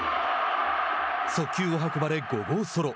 速球を運ばれ５号ソロ。